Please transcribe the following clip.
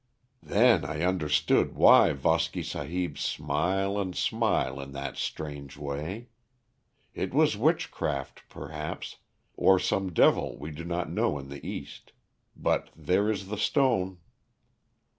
"Then I understood why Voski Sahib smile and smile in that strange way. It was witchcraft, perhaps, or some devil we do not know in the East but there is the stone."